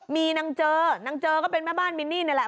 มีนางเจอนางเจอก็เป็นแม่บ้านมินนี่นี่แหละ